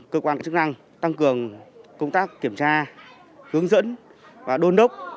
cơ quan chức năng tăng cường công tác kiểm tra hướng dẫn và đôn đốc